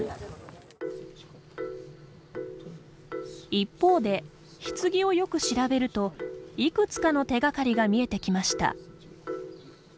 一方で、ひつぎをよく調べるといくつかの手がかりが見えてきました。